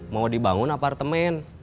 mau dibangun apartemen